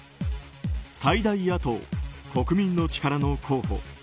最大野党・国民の力の候補